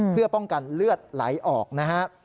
เพื่อป้องกันเลือดไหลออกนะฮะ